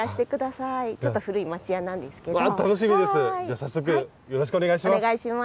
早速よろしくお願いします。